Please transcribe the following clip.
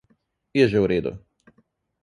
Je že v redu.